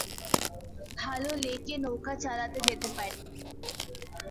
ডাল লেকে নৌকা চালাতে যেতে পারি।